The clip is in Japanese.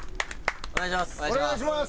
お願いします。